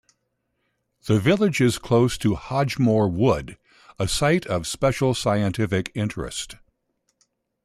The village is close to Hodgemoor Wood, a Site of Special Scientific Interest.